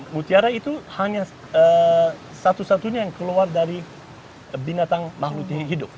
mutiara itu hanya satu satunya yang keluar dari binatang makhluk ini hidup